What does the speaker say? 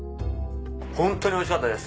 本当においしかったです